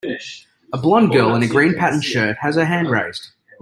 A blond girl in a green patterned shirt has her hand raised.